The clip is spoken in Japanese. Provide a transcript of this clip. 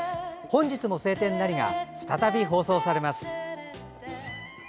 「本日も晴天なり」が再び放送されます。